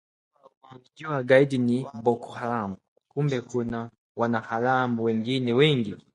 nilijua gaidi ni Boko Haram, kumbe kuna wanaharamu wengine wengi